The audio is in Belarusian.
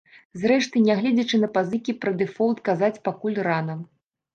Зрэшты, нягледзячы на пазыкі пра дэфолт казаць пакуль рана.